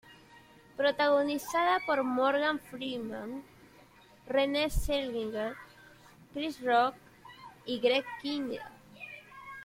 Protagonizada por Morgan Freeman, Renee Zellweger, Chris Rock y Greg Kinnear.